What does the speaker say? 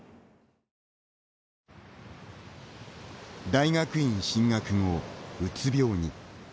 大学院進学後、うつ病に。